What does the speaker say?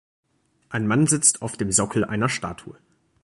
Ein Mann sitzt auf dem Sockel einer Statue.